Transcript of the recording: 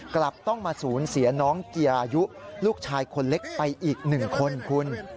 กลับต้องมาสูญเสียน้องเกียร์ยุลูกชายคนเล็กไปอีก๑คนคุณ